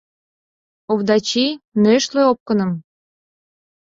— Овдачи, нӧшлӧ опкыным!